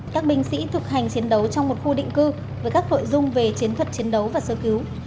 các binh sĩ thực hành chiến đấu trong một khu định cư với các nội dung về chiến thuật chiến đấu và sơ cứu